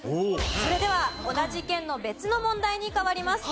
それでは同じ県の別の問題に変わります。